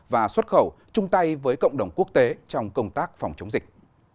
và xuất khẩu chung tay với cộng đồng quốc tế trong công tác phòng chống dịch